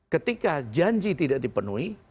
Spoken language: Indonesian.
ketika janji tidak dipenuhi